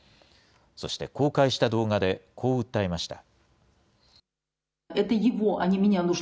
そして公開した動画で、こう訴えました。